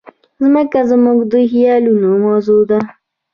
مځکه زموږ د خیالونو موضوع ده.